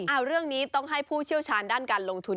เอาเรื่องนี้ต้องให้ผู้เชี่ยวชาญด้านการลงทุน